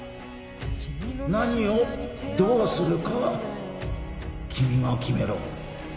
何をどうするかは君が決めろ